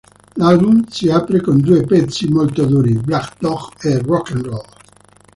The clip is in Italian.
L'album si apre con due pezzi molto duri, "Black Dog" e "Rock and Roll".